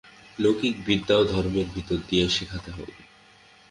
লৌকিক বিদ্যাও ধর্মের ভিতর দিয়ে শেখাতে হবে।